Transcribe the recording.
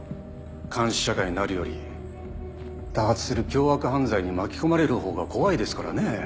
監視社会になるより多発する凶悪犯罪に巻き込まれる方が怖いですからねぇ。